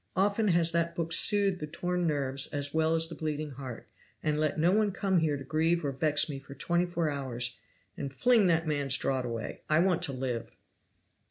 Often has that book soothed the torn nerves as well as the bleeding heart and let no one come here to grieve or vex me for twenty four hours and fling that man's draught away, I want to live."